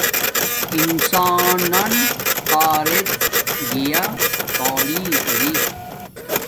انسان نن تارڎ گیا تعلیم اری